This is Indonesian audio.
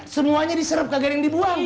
semuanya diserep kagak yang dibuang